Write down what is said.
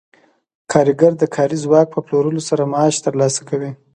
کارګر د کاري ځواک په پلورلو سره معاش ترلاسه کوي